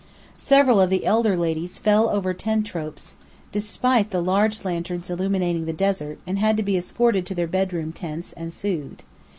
Several of the elder ladies fell over ten tropes, despite the large lanterns illuminating the desert, and had to be escorted to their bedroom tents, and soothed.